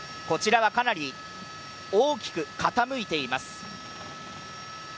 こちらはかなり大きく傾いています。